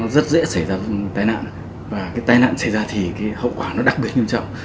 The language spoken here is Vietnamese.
rất dễ xảy ra tai nạn và cái tai nạn xảy ra thì cái hậu quả nó đặc biệt nghiêm trọng